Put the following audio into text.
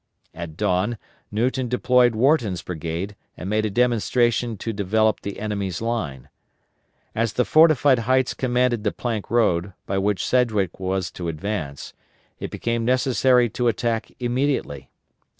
At dawn Newton deployed Wharton's brigade and made a demonstration to develop the enemy's line. As the fortified heights commanded the Plank Road by which Sedgwick was to advance, it became necessary to attack immediately.